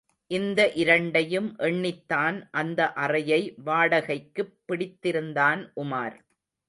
இந்த இரண்டையும் எண்ணித்தான் அந்த அறையை வாடகைக்குப் பிடித்திருந்தான் உமார்.